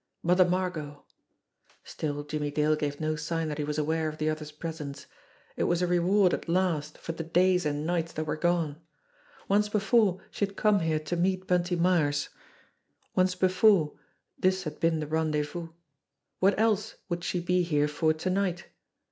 Mother Margot ! Still Jimmie Dale gave no sign that he was aware of the other's presence. It was a reward at last for the days and nights that were gone ! Once before she had come here to meet Bunty Myers, once before this had been the rendez vous what else would she be here for to night?